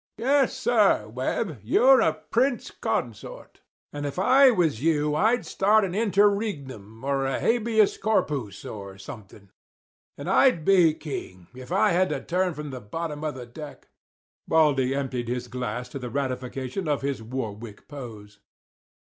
Yes, sir, Webb, you're a prince consort; and if I was you, I'd start a interregnum or a habeus corpus or somethin'; and I'd be king if I had to turn from the bottom of the deck." Baldy emptied his glass to the ratification of his Warwick pose.